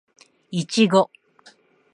いちご